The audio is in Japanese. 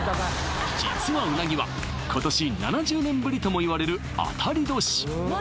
実はうなぎは今年７０年ぶりともいわれる当たり年！？